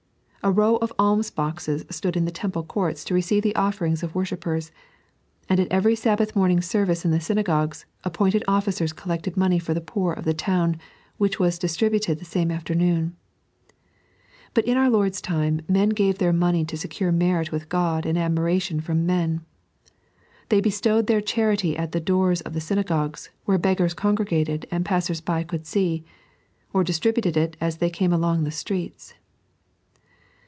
A row of alms boxee stood in the Temple courts to receive the offerings of worshippers ; and at every Sabbath morning service in the synagogues, appointed officers col lected money for the poor of the town, which was dis tributed the same afternoon. But in our Ijord'e time men gave their money to secure merit with God and admiration from men. They bestowed their charity at the doors of the synagogues, where beggars congregated and passers by could see ; or distributed it as they came along the streets.